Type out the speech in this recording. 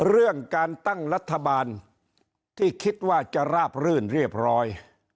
เรื่องการตั้งรัฐบาลที่คิดว่าจะราบรื่นเรียบร้อย